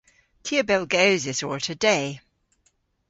Ty a bellgewsis orta de.